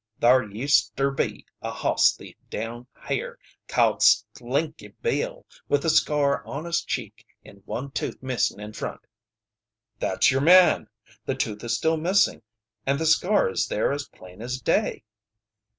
Thar used ter be a hoss thief down hyer called Slinky Bill, with a scar on his cheek an' one tooth missin' in front " "That's your man. The tooth is still missing and the scar is there as plain as day."